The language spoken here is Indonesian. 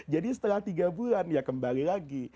jadi setelah tiga bulan ya kembali lagi